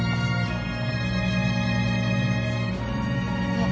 あっ。